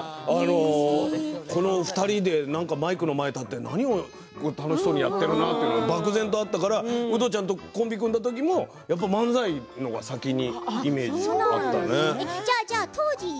２人でマイクの前に立って何を楽しそうにやってるんだろうなっていうのが漠然とあったからウドちゃんとコンビを組んだ時もやっぱり漫才のイメージが先にあったね。